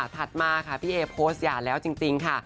มาค่ะพี่เอโพสต์หย่าแล้วจริงค่ะ